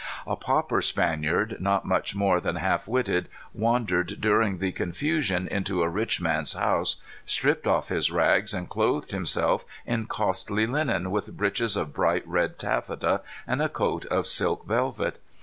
A pauper Spaniard, not much more than half witted, wandered, during the confusion, into a rich man's house, stripped off his rags, and clothed himself in costly linen with breeches of bright red taffeta and a coat of silk velvet.